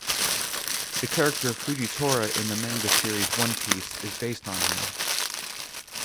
The character Fujitora in the manga series One Piece is based on him.